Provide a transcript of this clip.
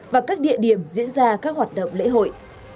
và các địa điểm diễn ra các hoạt động lễ hội